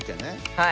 はい。